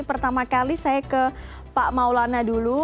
pertama kali saya ke pak maulana dulu